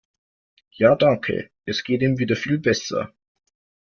Ja danke, es geht ihm wieder viel besser.